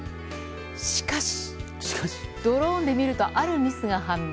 しかし、ドローンで見るとあるミスが判明。